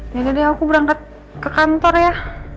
ya udah deh aku berangkat ke kantor ya